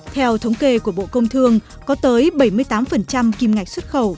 theo thống kê của bộ công thương có tới bảy mươi tám kim ngạch xuất khẩu